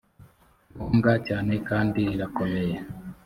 ngombwa cyane kandi rirakomeye